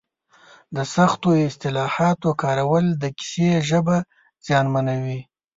د سختو اصطلاحاتو کارول د کیسې ژبه زیانمنوي.